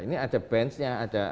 ini ada benchnya